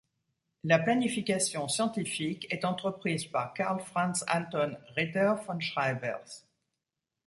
La planification scientifique est entreprise par Carl Franz Anton Ritter von Schreibers.